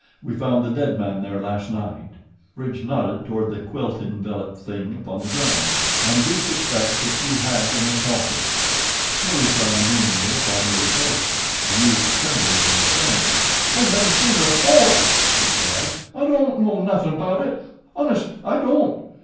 We found the dead man there last night;" Bridge nodded toward the quilt enveloped thing upon the ground; "and we suspect that you had an accomplice." Here he frowned meaningly upon Willie Case. The youth trembled and stammered. "I never seen her afore," he cried. "I don' know nothin' about it. Honest I don't."